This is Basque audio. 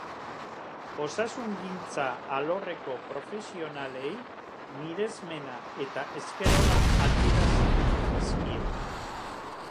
Osasungintza alorreko profesionalei miresmena eta esker ona adierazi dizkie.